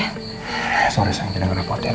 eh sorry sayang gak ada poten